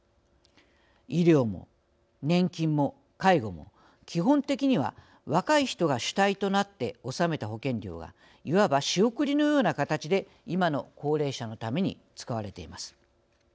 医療も年金も介護も基本的には若い人が主体となって納めた保険料がいわば仕送りのような形で今の高齢者のために使われています。